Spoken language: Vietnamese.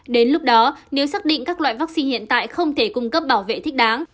đến lúc đó nếu xác định các loại vaccine hiện tại không thể cung cấp bảo vệ thích đáng